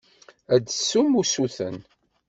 Ad d-tessum usuten.